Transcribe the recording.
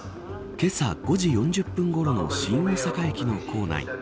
けさ５時４０分ごろの新大阪駅の構内。